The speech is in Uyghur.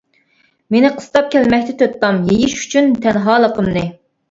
مېنى قىستاپ كەلمەكتە تۆت تام، يېيىش ئۈچۈن تەنھالىقىمنى.